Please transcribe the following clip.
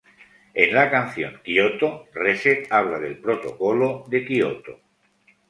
En la canción "Kyoto", Reset habla del Protocolo de Kyoto.